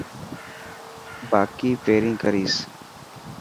با ڪي پرين ڪريس.